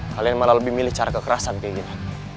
kalian malah lebih milih cara kekerasan kayak gini